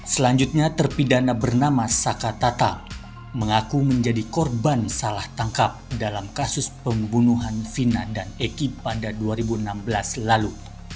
selanjutnya terpidana bernama saka tata mengaku menjadi korban salah tangkap dalam kasus pembunuhan vina dan eki pada dua ribu enam belas lalu